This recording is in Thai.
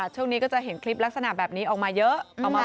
ช่วงนี้ก็จะเห็นคลิปลักษณะแบบนี้ออกมาเยอะ